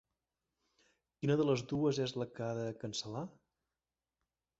Quina de les dues és la que ha de cancel·lar?